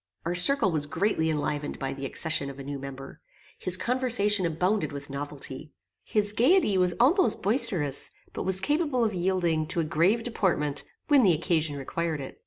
Our circle was greatly enlivened by the accession of a new member. His conversation abounded with novelty. His gaiety was almost boisterous, but was capable of yielding to a grave deportment when the occasion required it.